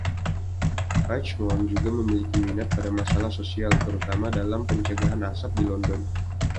Richmond juga memiliki minat pada masalah sosial, terutama dalam pencegahan asap di London.